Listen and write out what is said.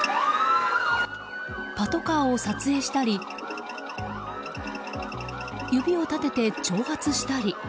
パトカーを撮影したり指を立てて挑発したり。